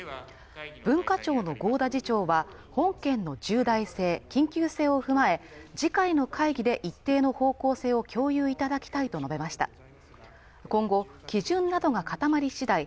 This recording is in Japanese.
文化庁の合田次長は本件の重大性緊急性を踏まえ次回の会議で一定の方向性を共有いただきたいと述べました今後基準などが固まりしだい